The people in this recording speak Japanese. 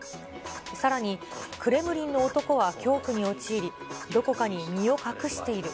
さらにクレムリンの男は恐怖に陥り、どこかに身を隠している。